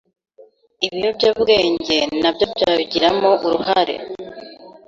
Ibiyobyabwenge nabyo byabigiramo urahare